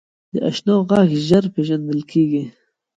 د اشنا غږ ژر پیژندل کېږي